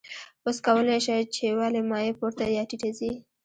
اوس کولی شئ چې ولې مایع پورته یا ټیټه ځي.